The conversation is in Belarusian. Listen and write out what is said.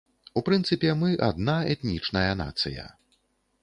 У прынцыпе, мы адна этнічная нацыя.